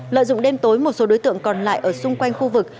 lợi dụng đêm tối một số đối tượng còn lại ở xung quanh khu vực